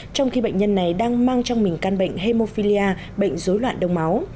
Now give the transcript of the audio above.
trong khi bệnh nhân này đang mang trong mình căn bệnh hemophilia bệnh dối loạn đông máu